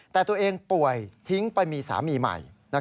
แต่ตัวเองป่วยทิ้งไปมีสามีใหม่